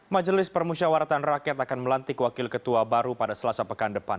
majelis permusyawaratan rakyat akan melantik wakil ketua baru pada selasa pekan depan